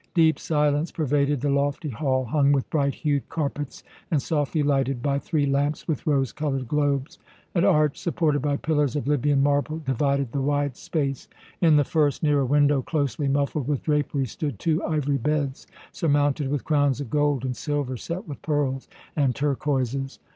Deep silence pervaded the lofty hall hung with bright hued carpets, and softly lighted by three lamps with rose colored globes. An arch, supported by pillars of Libyan marble, divided the wide space. In the first, near a window closely muffled with draperies, stood two ivory beds, surmounted with crowns of gold and silver set with pearls and turquoises.